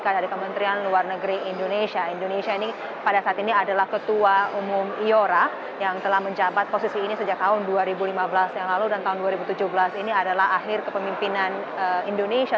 ketua umum ayora yang telah menjabat posisi ini sejak tahun dua ribu lima belas yang lalu dan tahun dua ribu tujuh belas ini adalah akhir kepemimpinan indonesia